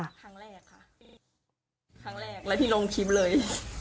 ครั้งแรกค่ะพี่ครั้งแรกแล้วที่ลงคลิปเลย